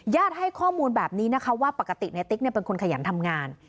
ให้ข้อมูลแบบนี้นะคะว่าปกติในติ๊กเป็นคนขยันทำงาน